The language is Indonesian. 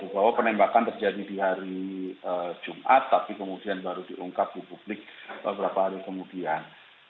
bahwa penembakan terjadi di hari jumat tapi kemudian baru diungkap di publik beberapa hari kemudian